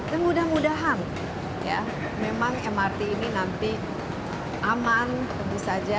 dan mudah mudahan ya memang mrt ini nanti aman tentu saja